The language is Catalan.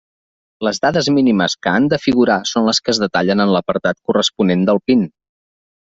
Les dades mínimes que han de figurar són les que es detallen en l'apartat corresponent del PIN.